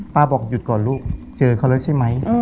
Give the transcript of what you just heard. บอกหยุดก่อนลูกเจอเขาแล้วใช่ไหม